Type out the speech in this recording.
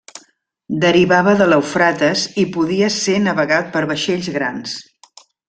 Derivava de l'Eufrates i podia ser navegat per vaixells grans.